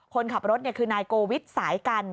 คนขับรถคือนายโกวิทสายกัน